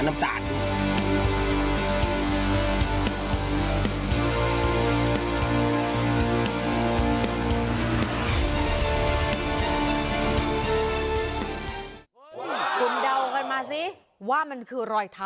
หมาเหรอฮะ